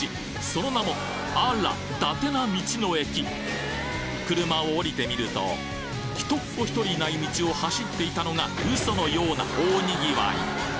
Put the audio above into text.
その名も車を降りてみると人っ子１人いない道を走っていたのがウソのような大賑わい！